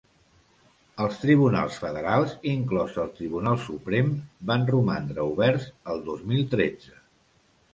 Els tribunals federals, inclòs el Tribunal Suprem, van romandre oberts el dos mil tretze.